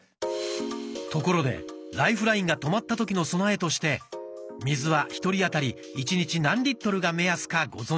ところでライフラインが止まった時の備えとして水は１人あたり１日何が目安かご存じですか？